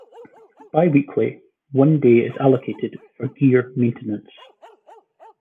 Biweekly, one day is allotted for gear maintenance.